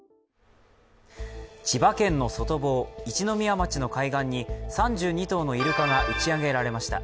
千葉県の外房、一宮町の海岸に３２頭のイルカが打ち上げられました。